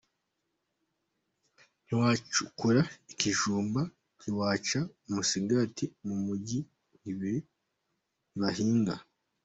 Ntiwacukura ikijumba, ntiwaca umusigati, mu mujyi ntibahinga.